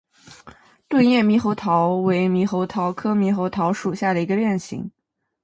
钝叶猕猴桃为猕猴桃科猕猴桃属下的一个变型。